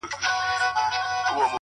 سترگي په خوبونو کي راونغاړه’